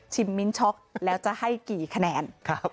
มิ้นช็อกแล้วจะให้กี่คะแนน